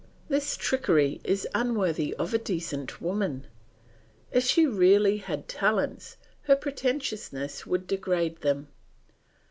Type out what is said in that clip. This trickery is unworthy of a decent woman. If she really had talents, her pretentiousness would degrade them.